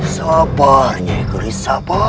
jangan lupa igris